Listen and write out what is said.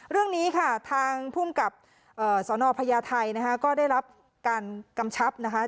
เรื่องนี้ค่ะทางภูมิกับสนพญาไทยนะคะก็ได้รับการกำชับนะคะ